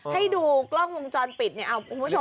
ให้ดูกล้องวงจรปิดเนี่ยคุณผู้ชม